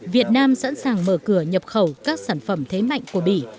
việt nam sẵn sàng mở cửa nhập khẩu các sản phẩm thế mạnh của bỉ